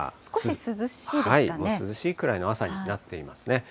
涼しいくらいの朝になっていますね。